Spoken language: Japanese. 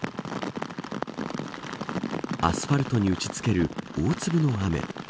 アスファルトに打ちつける大粒の雨。